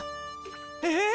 えっ！